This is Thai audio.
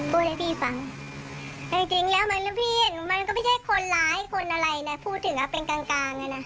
พูดให้พี่ฟังแต่จริงแล้วมันก็พี่มันก็ไม่ใช่คนร้ายคนอะไรนะพูดถึงว่าเป็นกลางกลาง